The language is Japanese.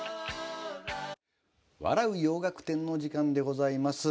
「笑う洋楽展」の時間でございます。